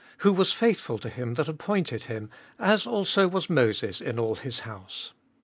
2. Who was faithful to him that appointed him, as also was Moses in all his house. 3.